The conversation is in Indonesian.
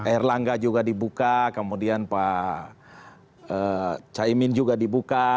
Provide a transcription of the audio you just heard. erlangga juga dibuka kemudian pak caimin juga dibuka